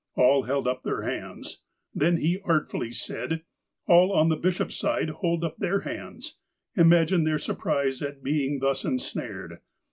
' All held up their hands. Then, he artfully said :' All on the bishop's side hold up their hands.' Imagine their surprise at being thus ensnared